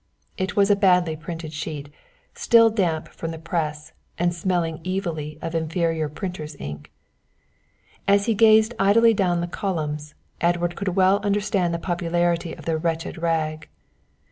It was a badly printed sheet, still damp from the press, and smelling evilly of inferior printers' ink. As he gazed idly down the columns, Edward could well understand the popularity of the wretched rag.